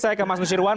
saya ke mas nusirwan